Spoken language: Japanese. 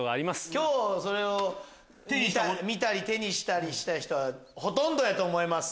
今日それを見たり手にしたりした人はほとんどやと思います。